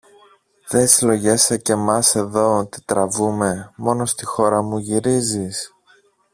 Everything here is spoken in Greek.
Δε συλλογιέσαι και μας εδώ τι τραβούμε, μόνο στη χώρα μου γυρίζεις;